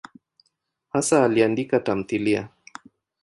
Hasa aliandika tamthiliya.